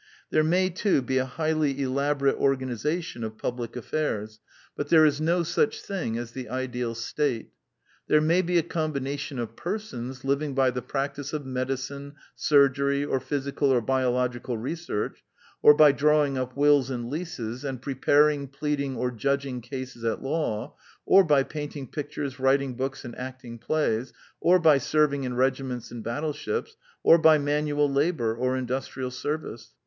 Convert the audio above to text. There may, too, be a highly elaborate organization of public affairs; but The Anti Idealist Plays 107 there is no such thing as the ideal State. There may be a combination of persons living by the practice of medicine, surgery, or physical or bio logical research; or by drawing up wills and leases, and preparing, pleading, or judging cases at law; or by painting pictures, writing books, and acting plays; or by serving in regiments and battleships; or by manual labor or industrial service.